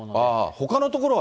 ほかの所は、